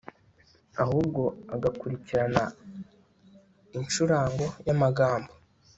ahubwo agakurikirana inshurango y'amagambo